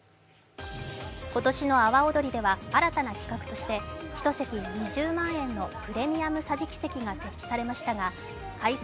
今年の阿波おどりでは新たな企画として１席２０万円のプレミアム桟敷席が設置されましたが開催